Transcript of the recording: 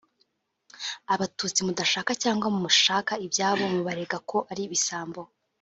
Abatutsi mudashaka cyangwa mushaka ibyabo mubarega ko ari ibisambo